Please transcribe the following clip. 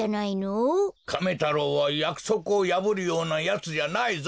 カメ太郎はやくそくをやぶるようなやつじゃないぞ！